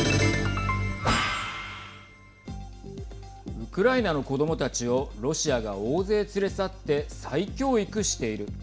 ウクライナの子どもたちをロシアが大勢連れ去って再教育している。